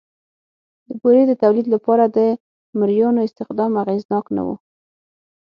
د بورې د تولید لپاره د مریانو استخدام اغېزناک نه و